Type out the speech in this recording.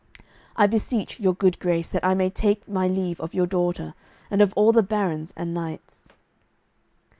I beseech your good grace that I may take my leave of your daughter and of all the barons and knights."